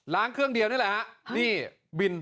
เครื่องเดียวนี่แหละฮะนี่บิน